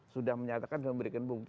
sudah menyatakan dan memberikan bukti